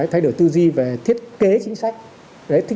thay đổi tư duy về thiết kế chính sách